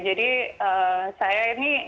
jadi saya ini